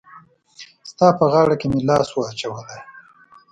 ستا په غاړه کي مي لاس وو اچولی